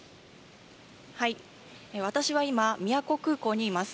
私は今、宮古空港にいます。